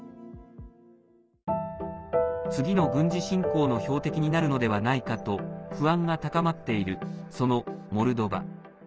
次の軍事侵攻の標的になるのではないかと不安が高まっているそのモルドバ。